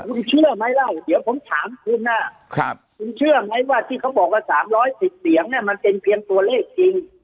คุณเชื่อไหมเล่าเดี๋ยวผมถามคุณคุณเชื่อไหมว่าที่เขาบอกว่า๓๑๐เสียงเนี่ยมันเป็นเพียงตัวเลขจริง